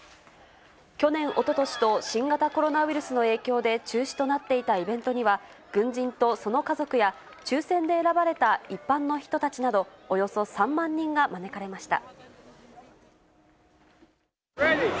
去年、おととしと新型コロナウイルスの影響で中止となっていたイベントには、軍人とその家族や、抽せんで選ばれた一般の人たちなど、およそ３万人が招かれました。